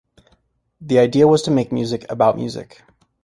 The idea was to make music about music.